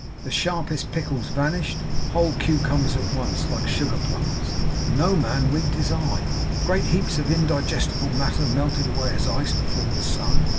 The sharpest pickles vanished, whole cucumbers at once, like sugar plums, and no man winked his eye. Great heaps of indigestible matter melted away as ice before the sun.